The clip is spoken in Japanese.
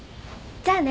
じゃあね。